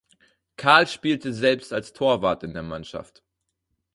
Karl spielte selbst als Torwart in der Mannschaft.